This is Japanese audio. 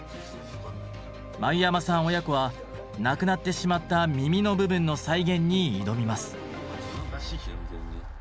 繭山さん親子は無くなってしまった耳の部分の再現に挑みます。